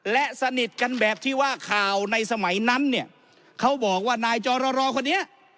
และสนิทกันแบบที่ว่าข่าวในสมัยนั้นเนี่ยเขาบอกว่านายจรรคนนี้